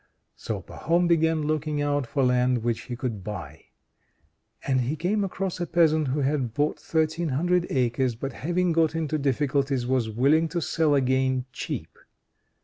So Pahom began looking out for land which he could buy; and he came across a peasant who had bought thirteen hundred acres, but having got into difficulties was willing to sell again cheap.